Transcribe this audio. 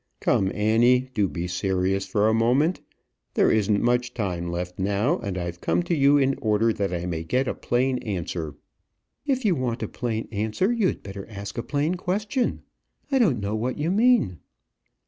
"Come, Annie; do be serious for a moment. There isn't much time left now, and I've come to you in order that I may get a plain answer." "If you want a plain answer, you'd better ask a plain question. I don't know what you mean."